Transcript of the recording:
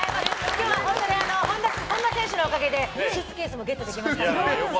今日は本当に本間選手のおかげでスーツケースもゲットできましたので。